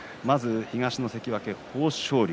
東の関脇豊昇龍